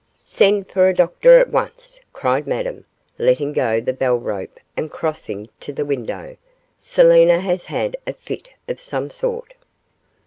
'Send for a doctor at once,' cried Madame, letting go the bell rope and crossing to the window; 'Selina has had a fit of some sort.